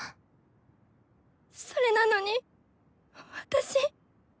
それなのに私。